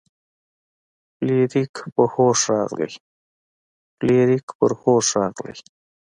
فلیریک په هوښ راغی.